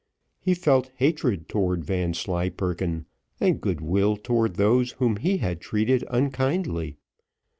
He felt hatred towards Vanslyperken, and good will towards those whom he had treated unkindly.